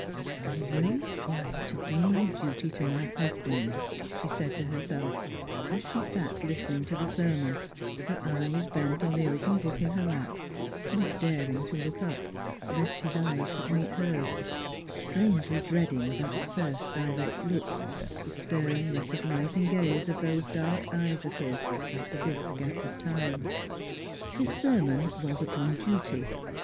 "I will try to do my duty to my husband," she said to herself, as she sat listening to the sermon, her eyes bent on the open book in her lap, not daring to look up, lest his eyes should meet hers ; strangely dreading that first direct look — the stern recognising gaze of those dark eyes of his — after this gap of time. His sermon was upon duty.